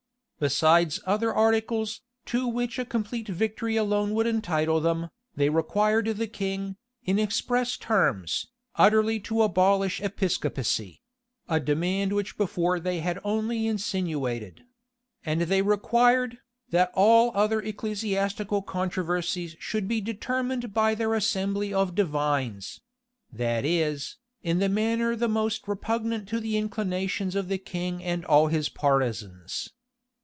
Besides other articles, to which a complete victory alone could entitle them, they required the king, in express terms, utterly to abolish Episcopacy; a demand which before they had only insinuated; and they required, that all other ecclesiastical controversies should be determined by their assembly of divines; that is, in the manner the most repugnant to the inclinations of the king and all his partisans.